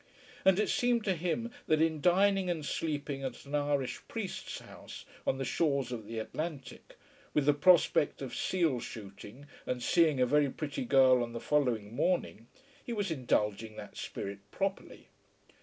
And it seemed to him that in dining and sleeping at an Irish priest's house on the shores of the Atlantic, with the prospect of seal shooting and seeing a very pretty girl on the following morning, he was indulging that spirit properly.